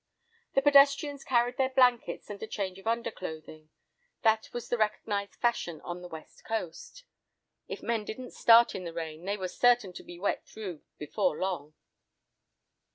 The pedestrians carried their blankets and a change of underclothing. That was the recognised fashion on the West Coast. If men didn't start in the rain, they were certain to be wet through before long.